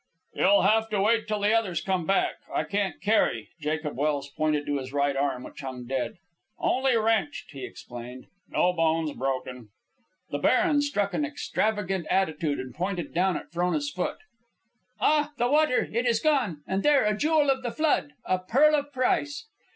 "You'll have to wait till the others come back. I can't carry." Jacob Welse pointed to his right arm, which hung dead. "Only wrenched," he explained. "No bones broken." The baron struck an extravagant attitude and pointed down at Frona's foot. "Ah! the water, it is gone, and there, a jewel of the flood, a pearl of price!"